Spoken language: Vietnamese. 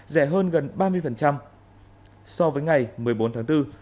rẻ hơn gần ba mươi so với ngày một mươi bốn tháng bốn